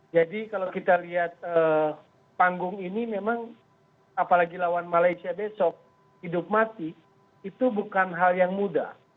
kalau kita lihat panggung ini memang apalagi lawan malaysia besok hidup mati itu bukan hal yang mudah